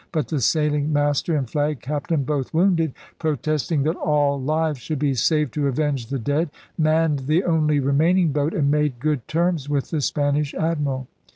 But the sailing master and flag captain, both wounded, protesting that all lives should be saved to avenge the dead, manned the only remaining boat and made good terms with the Spanish admiral.